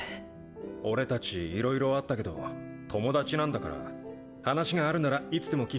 俺たちいろいろあったけど友達なんだから話があるならいつでも聞くからな。